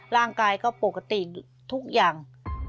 ร่างกายก็ปกติทุกอย่าง